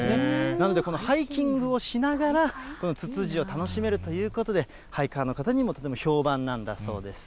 なので、このハイキングをしながら、このツツジを楽しめるということで、ハイカーの方にもとても評判なんだそうです。